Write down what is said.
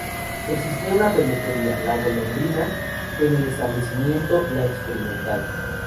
Existía una pulpería "La Golondrina" en el establecimiento "La Experimental.